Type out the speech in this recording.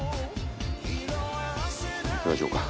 行きましょうか。